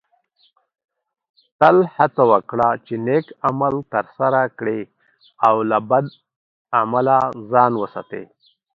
تل هڅه وکړه چې نیک عمل ترسره کړې او له بد عمله ځان وساتې